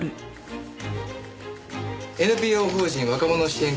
ＮＰＯ法人若者支援